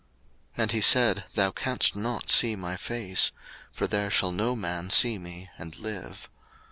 02:033:020 And he said, Thou canst not see my face: for there shall no man see me, and live.